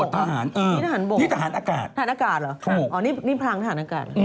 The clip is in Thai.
ทหารอากาศเหรออ๋อนี่พลังทหารอากาศ